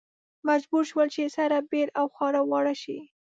مجبور شول چې سره بېل او خواره واره شي.